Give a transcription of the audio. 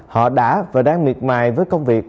họ đã và đang miệt mài với công việc